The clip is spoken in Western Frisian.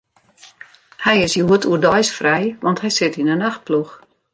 Hy is hjoed oerdeis frij, want hy sit yn 'e nachtploech.